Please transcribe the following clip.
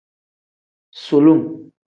Sulum.